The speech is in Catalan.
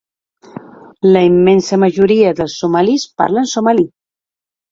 La immensa majoria dels somalis parlen somali.